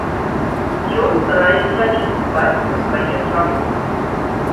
Ён раіць самім дбаць пра свае правы.